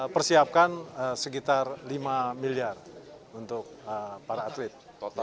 persiapkan sekitar lima miliar untuk para atlet